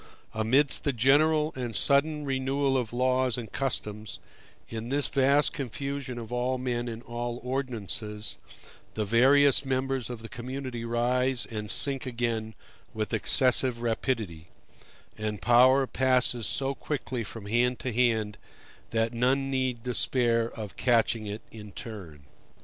Amidst the general and sudden renewal of laws and customs, in this vast confusion of all men and all ordinances, the various members of the community rise and sink again with excessive rapidity; and power passes so quickly from hand to hand that none need despair of catching it in turn.